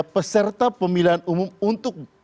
peserta pemilihan umum untuk